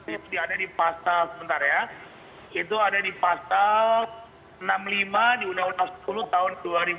itu diada di pasal sebentar ya itu ada di pasal enam puluh lima di undang undang sepuluh tahun dua ribu dua